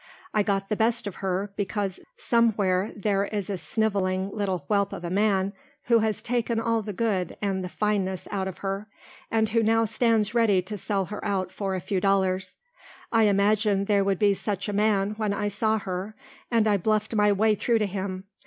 I got the best of her because somewhere there is a snivelling little whelp of a man who has taken all the good and the fineness out of her and who now stands ready to sell her out for a few dollars. I imagined there would be such a man when I saw her and I bluffed my way through to him.